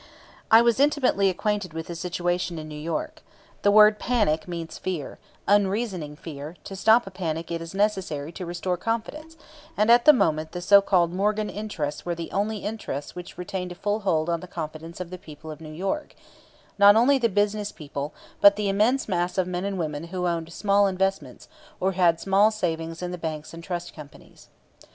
I was intimately acquainted with the situation in New York. The word "panic" means fear, unreasoning fear; to stop a panic it is necessary to restore confidence; and at the moment the so called Morgan interests were the only interests which retained a full hold on the confidence of the people of New York not only the business people, but the immense mass of men and women who owned small investments or had small savings in the banks and trust companies.